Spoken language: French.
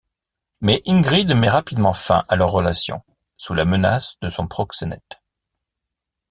Mais Ingrid met rapidement fin à leur relation sous la menace de son proxénète.